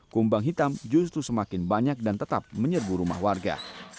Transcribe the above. kumbang hitam justru semakin banyak dan tetap menyerbu rumah warga